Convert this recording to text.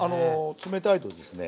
冷たいとですね